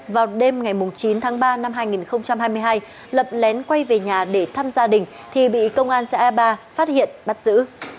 vào đêm ngày chín tháng ba năm hai nghìn hai mươi hai lập lén quay về nhà để thăm gia đình thì bị công an xã e ba phát hiện bắt giữ